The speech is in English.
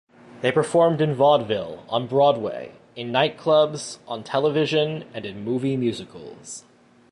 They performed in vaudeville, on Broadway, in nightclubs, on television, and in movie musicals.